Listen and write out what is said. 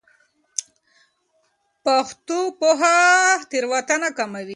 پښتو پوهه تېروتنې کموي.